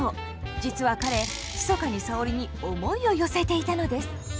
実は彼ひそかに沙織に思いを寄せていたのです。